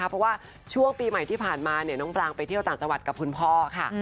เพราะว่าช่วงปีใหม่ที่ผ่านมาน้องปรางไปเที่ยวต่างจังหวัดกับคุณพ่อค่ะ